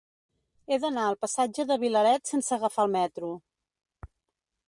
He d'anar al passatge de Vilaret sense agafar el metro.